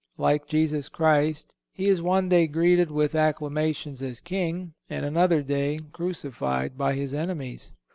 Like Jesus Christ, he is one day greeted with acclamations as king, and another day crucified by his enemies.